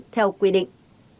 theo quy định